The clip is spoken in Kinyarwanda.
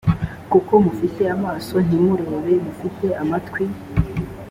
kuko mufite amaso ntimurebe mufite amatwi